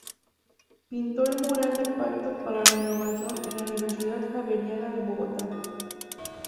Pintó el mural del Pacto para la innovación en la Universidad Javeriana de Bogotá.